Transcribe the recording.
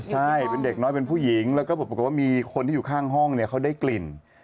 ใช่เป็นเด็กน้อยเป็นผู้หญิงแล้วก็ปรากฏว่ามีคนที่อยู่ข้างห้องเนี่ยเขาได้กลิ่น